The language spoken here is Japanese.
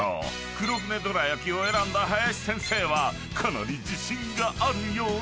［黒船どらやきを選んだ林先生はかなり自信があるようで］